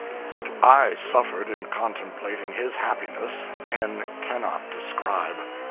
020.jpg (69K) What I suffered in contemplating his happiness, pen cannot describe.